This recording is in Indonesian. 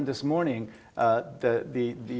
dari hari ini